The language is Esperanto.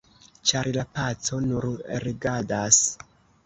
ĉar la paco nur regadas